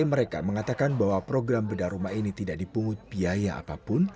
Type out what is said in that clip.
mereka mengatakan bahwa program bedah rumah ini tidak dipungut biaya apapun